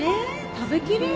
食べきれる？